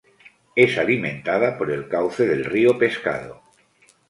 Es alimentada por el cauce del río Pescado.